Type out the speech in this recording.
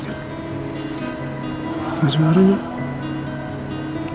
jangan marah lagi